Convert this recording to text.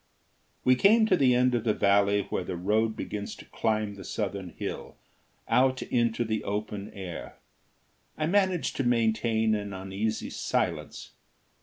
We came to the end of the valley where the road begins to climb the southern hill, out into the open air. I managed to maintain an uneasy silence.